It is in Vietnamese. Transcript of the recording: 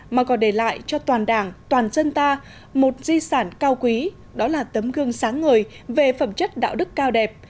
mà còn để lại cho toàn đảng toàn dân ta một di sản cao quý đó là tấm gương sáng ngời về phẩm chất đạo đức cao đẹp